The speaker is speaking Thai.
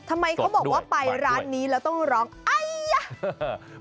ถ้ามั้ยเขาบอกว่าไปร้านนี้เราต้องร้องไอ้ยะค่ะต้นด้วยมาด้วย